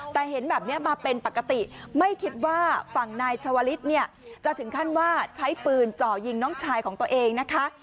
แต่เห็นแบบนี้มาเป็นปกติไม่คิดว่าฝั่งนายชาวลิศเนี่ยจะถึงขั้นว่าใช้ปืนเจาะยิงน้องชายของตัวเองนะคะ